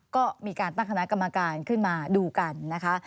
ก็มีการตั้งคณะกรรมการขึ้นมาดูกันนะคะ